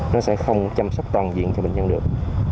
nó sẽ không chăm sóc toàn diện cho bệnh nhân được